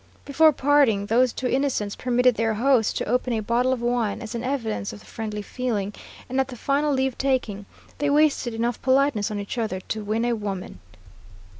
Before parting, those two innocents permitted their host to open a bottle of wine as an evidence of the friendly feeling, and at the final leave taking, they wasted enough politeness on each other to win a woman.